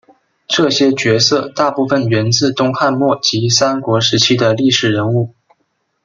这些角色大部份源自东汉末及三国时期的历史人物。